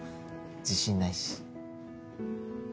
自信ないし。